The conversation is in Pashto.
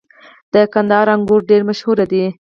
• د کندهار انګور ډېر مشهور دي.